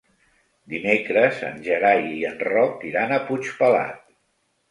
Dimecres en Gerai i en Roc iran a Puigpelat.